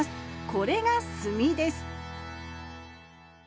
これが炭です